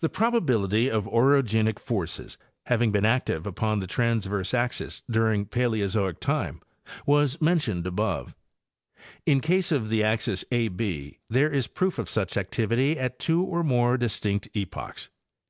The probability of orogenic forces having been active upon the transverse axes during Paleozoic time was mentioned above. In case of the axis A B, there is proof of such activity at two or more distinct epochs.